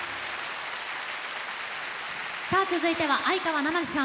続いては相川七瀬さん